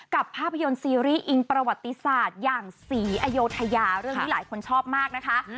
ภาพยนตร์ซีรีส์อิงประวัติศาสตร์อย่างศรีอยุธยาเรื่องนี้หลายคนชอบมากนะคะ